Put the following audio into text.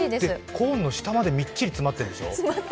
コーンの下まで、みっちり詰まってるんでしょ？